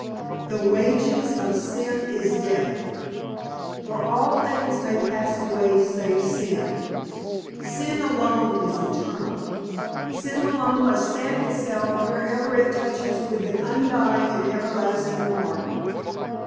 "The wages of sin is death. For all things may pass away save sin. Sin alone is eternal. Sin alone must stamp itself wherever it touches with an undying and everlasting mark.